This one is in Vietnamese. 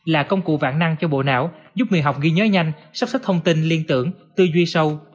là công cụ vạn năng cho bộ não giúp người học ghi nhớ nhanh sắp xếp thông tin liên tưởng tư duy sâu